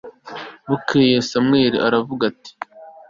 bukeye samweli aravuga ati